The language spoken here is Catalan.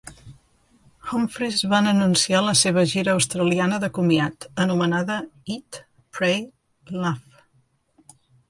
Humphries van anunciar la seva gira australiana de comiat, anomenada "Eat, pray, laugh!".